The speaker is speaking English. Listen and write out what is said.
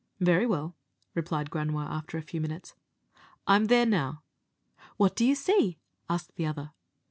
"Very well," replied Granua; after a few minutes, "I am there now." "What do you see?" asked the other.